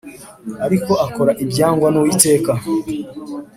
Ariko akora ibyangwa n Uwiteka